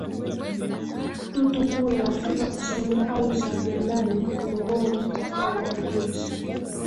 Tutu kule Afrika Kusini au za Janani Luwum katika Uganda jinsi